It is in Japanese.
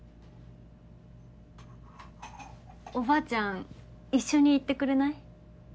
おばあちゃん一緒に行ってくれない？